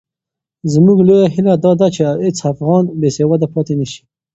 زموږ لویه هیله دا ده چې هېڅ افغان بې سواده پاتې نه سي.